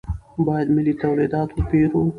باید ملي تولیدات وپېرو.